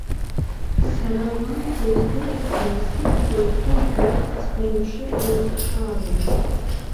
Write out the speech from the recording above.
Сара уаанӡа уздырызҭгьы, насыԥла иҭәу жәаф ҵхи-мши еицҳхаагон.